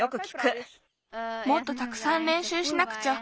もっとたくさんれんしゅうしなくちゃ。